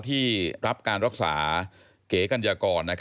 ที่รับการรักษาเก๋กัญญากร